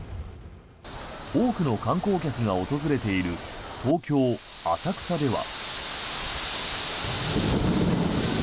多くの観光客が訪れている東京・浅草では。